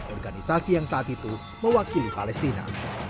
organisasi yang saat itu mewakili palestina